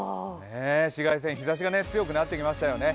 紫外線、日ざしが強くなってきましたよね。